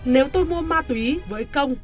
nếu tôi mua ma túy với công